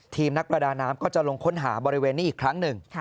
นักประดาน้ำก็จะลงค้นหาบริเวณนี้อีกครั้งหนึ่ง